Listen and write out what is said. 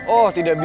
oh tidak bisa